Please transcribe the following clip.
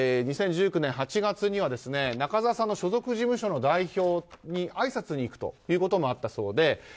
２０１９年８月には中澤さんの所属事務所の代表にあいさつに行くということもあったそうです。